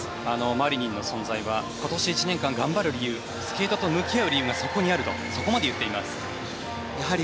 マリニンの存在は今年１年間頑張る理由スケートと向き合う理由がそこにあるとそこまで言っています。